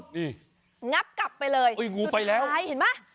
นี่งับกลับไปเลยสุดท้ายเห็นไหมงูไปแล้ว